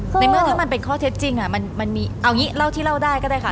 ในเมื่อถ้ามันเป็นข้อเท็จจริงมันมีเอางี้เล่าที่เล่าได้ก็ได้ค่ะ